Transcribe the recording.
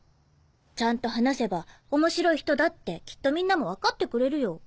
ちゃんと話せば面白い人だってきっとみんなも分かってくれるよ。